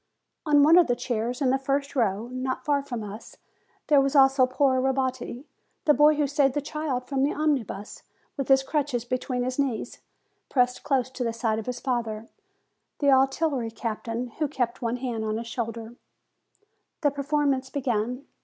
On one of the chairs in the first row, not far from us, there was also poor Robetti, the boy who saved the child from the omnibus, with his crutches between his knees, pressed close to the side of his father, the artillery captain, who kept one hand on his shoulder. The performance began.